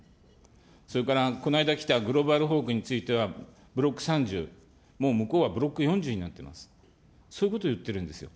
それからこの間来たグローバルホークについてはブロック３０、もう向こうはブロック４０になってます、そういうことを言ってるんですよ。